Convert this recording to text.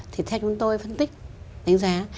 thì theo chúng tôi phân tích đánh giá